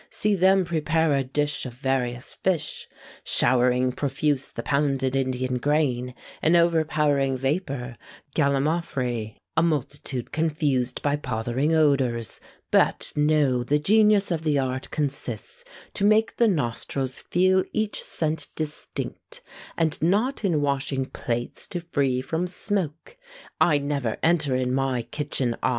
See them prepare a dish of various fish, Showering profuse the pounded Indian grain, An overpowering vapour, gallimaufry A multitude confused of pothering odours! But, know, the genius of the art consists To make the nostrils feel each scent distinct; And not in washing plates to free from smoke. I never enter in my kitchen, I!